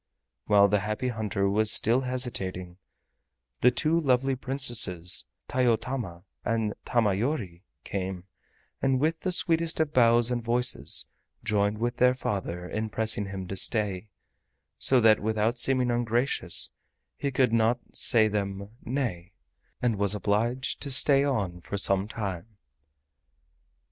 While the Happy Hunter was still hesitating, the two lovely Princesses, Tayotama and Tamayori, came, and with the sweetest of bows and voices joined with their father in pressing him to stay, so that without seeming ungracious he could not say them "Nay," and was obliged to stay on for some time.